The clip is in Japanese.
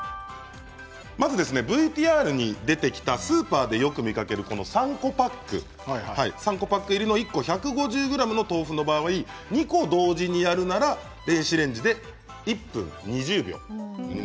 ＶＴＲに出てきたスーパーでよく見かける３個パック入りの１個１５０ｇの豆腐の場合２個同時にやるなら電子レンジで１分２０秒。